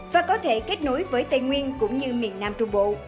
và có thể kết nối với tây nguyên cũng như miền nam trung bộ